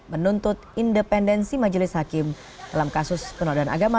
menuntut independensi majelis hakim dalam kasus penodaan agama